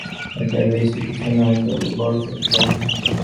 এটা বেশি কিছু নয়, তবু বড়ো শক্ত দাবি।